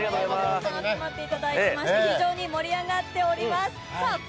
たくさん集まっていただいて非常に盛り上がっております。